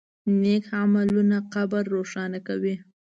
نیک عملونه قبر روښانه کوي.